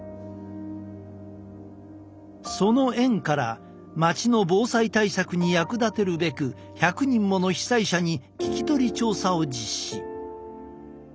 その縁から町の防災対策に役立てるべく１００人もの被災者に聞き取り調査を実施。